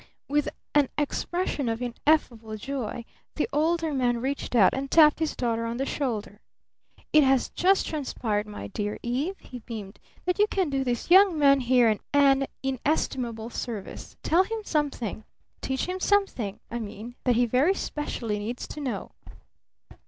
With an expression of ineffable joy the Older Man reached out and tapped his daughter on the shoulder. "It has just transpired, my dear Eve," he beamed, "that you can do this young man here an inestimable service tell him something teach him something, I mean that he very specially needs to know!"